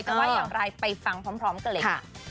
แต่ว่าอยากไปฟังพร้อมกับเล็ก